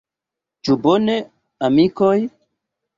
Ĉu bone, amikoj?